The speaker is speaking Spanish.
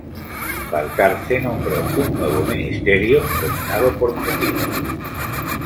Balcarce nombró un nuevo ministerio, dominado por Martínez.